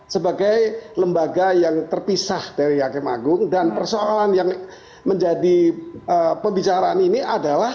sebagai lembaga yang terpisah dari hakim agung dan persoalan yang menjadi pembicaraan ini adalah